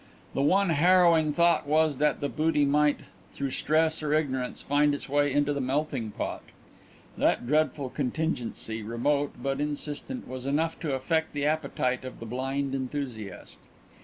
The one harrowing thought was that the booty might, through stress or ignorance, find its way into the melting pot. That dreadful contingency, remote but insistent, was enough to affect the appetite of the blind enthusiast.